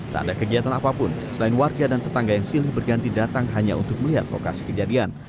tak ada kegiatan apapun selain warga dan tetangga yang silih berganti datang hanya untuk melihat lokasi kejadian